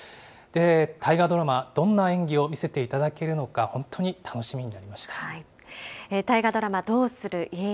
大河ドラマ、どんな演技を見せていただけるのか、本当に楽しみに大河ドラマ、どうする家康。